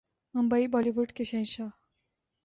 Mumbai Bollywood کے شہنشاہ